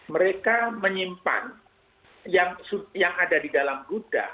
mereka menyimpan yang ada di dalam gudang